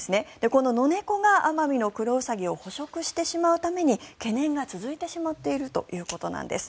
このノネコがアマミノクロウサギを捕食してしまうために懸念が続いてしまっているということなんです。